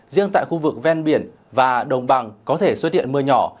riêng tại khu vực ven biển và đồng bằng có thể xuất hiện mưa nhỏ